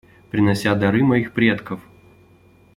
Принося дары моих предков,.